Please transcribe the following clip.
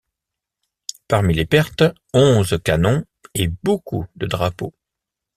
Parmi les pertes, onze canons et beaucoup de drapeaux.